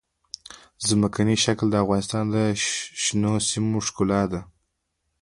ځمکنی شکل د افغانستان د شنو سیمو ښکلا ده.